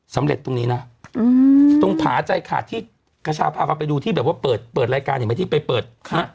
ตรงนี้นะตรงผาใจขาดที่กระชาพาพาไปดูที่แบบว่าเปิดเปิดรายการเห็นไหมที่ไปเปิดฮะ